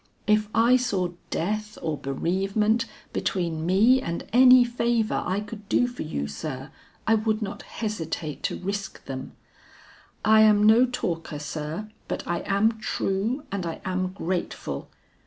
If I saw death or bereavement between me and any favor I could do for you, sir, I would not hesitate to risk them. I am no talker, sir, but I am true and I am grateful."